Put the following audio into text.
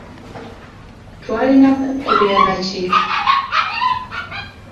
Twalina kukubira na ki?